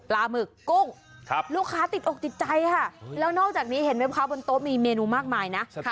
ลูกค้าติดออกติดใจค่ะแล้วนอกจากนี้เห็นไว้เข้าบนโต๊ะมีเมนูมากมายนะ